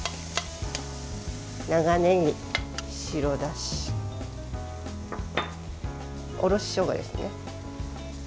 長ねぎ、白だしおろししょうがですね。